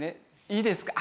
いいですか？